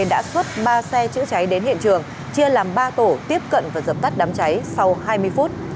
đã xuất ba xe chữa cháy đến hiện trường chia làm ba tổ tiếp cận và dập tắt đám cháy sau hai mươi phút